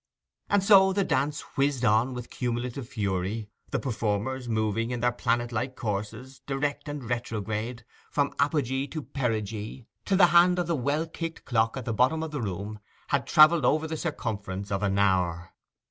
And so the dance whizzed on with cumulative fury, the performers moving in their planet like courses, direct and retrograde, from apogee to perigee, till the hand of the well kicked clock at the bottom of the room had travelled over the circumference of an hour.